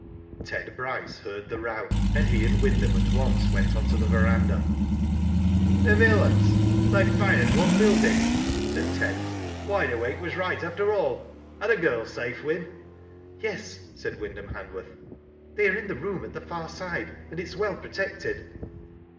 Ted Bryce heard the row, and he and Wyndham at once went on to the verandah. " The villains ; they've fired one building," said Ted. ''Wide Awake was right after all. Are the girls safe, Wyn ?" *'Yes," said Wyndham Hanworth. They ai e in the room at the far side, and it is well pro tected."